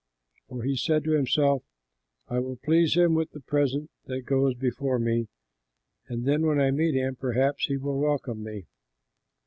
For he said to himself, "I will please him with the present that goes before me, and then, when I meet him, perhaps he will welcome me."